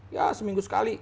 ya seminggu sekali